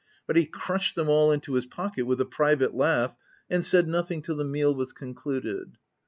But he crushed them all into his pocket, with a private laugh, and said nothing till the meal was concluded.